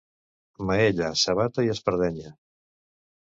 Maella, sabata i espardenya.